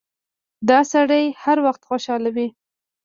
دا سړی هر وخت خوشاله وي.